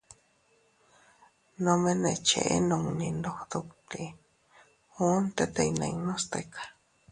Nome ne cheʼe nunni ndog dutti, uun tete iynninnu stika.